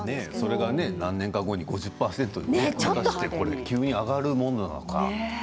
それが何年後かに５０％に急に上がるものなのか。